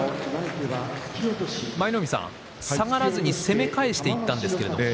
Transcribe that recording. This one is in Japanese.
舞の海さん、下がらずに攻め返していったんですけれど。